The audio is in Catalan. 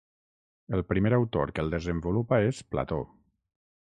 El primer autor que el desenvolupa és Plató.